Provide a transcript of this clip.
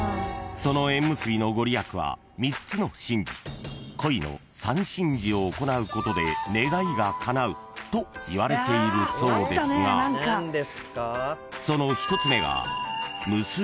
［その縁結びの御利益は３つの神事恋の三神事を行うことで願いがかなうといわれているそうですがその１つ目が］